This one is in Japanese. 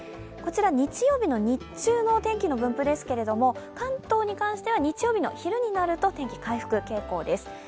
こちら、日曜日の日中のお天気の分布ですけど関東に関しては日曜日の昼になると天気、回復傾向です。